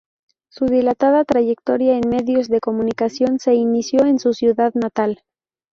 Su dilatada trayectoria en medios de comunicación se inició en su ciudad natal.